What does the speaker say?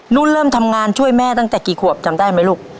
เริ่มทำงานช่วยแม่ตั้งแต่กี่ขวบจำได้ไหมลูก